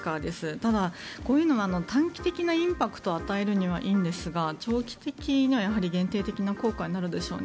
ただ、こういうのは短期的なインパクトを与えるにはいいんですが長期的にはやはり限定的な効果になるでしょうね。